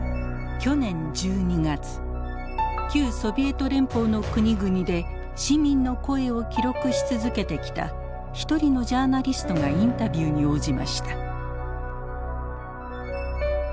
去年１２月旧ソビエト連邦の国々で市民の声を記録し続けてきた一人のジャーナリストがインタビューに応じました。